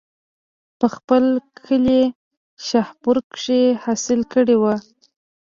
پۀ خپل کلي شاهپور کښې حاصل کړے وو